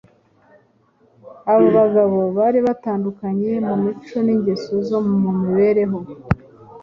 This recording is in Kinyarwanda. aba bagabo bari batandukanye mu mico n’ingeso zo mu mibereho,